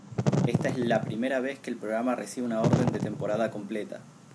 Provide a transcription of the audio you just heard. Esta es la primera vez que el programa recibe una orden de temporada completa.